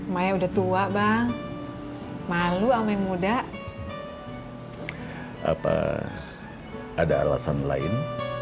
maya udah tua bang malu ama yang muda hai apa ada alasan lain